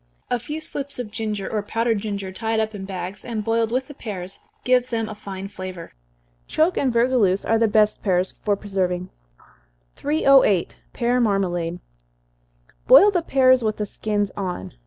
A few slips of ginger, or powdered ginger, tied up in bags, and boiled with the pears, gives them a fine flavor. Choke and vergouleuse are the best pears for preserving. 308. Pear Marmalade. Boil the pears with the skins on.